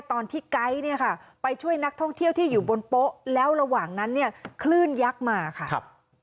ไก๊เนี่ยค่ะไปช่วยนักท่องเที่ยวที่อยู่บนโป๊ะแล้วระหว่างนั้นเนี่ยคลื่นยักษ์มาค่ะ